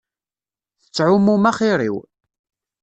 Tettɛummum axiṛ-iw.